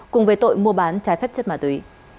cùng về tội mua bán trái phép chất ma túy